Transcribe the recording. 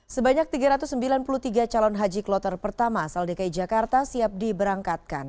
sebanyak tiga ratus sembilan puluh tiga calon haji kloter pertama asal dki jakarta siap diberangkatkan